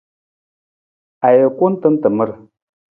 Ajukun tan tamar.